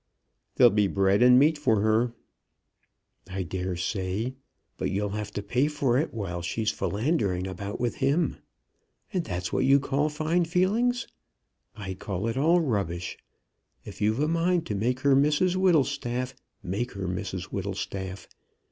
"There'll be bread and meat for her." "I dare say. But you'll have to pay for it, while she's philandering about with him! And that's what you call fine feelings. I call it all rubbish. If you've a mind to make her Mrs Whittlestaff, make her Mrs Whittlestaff.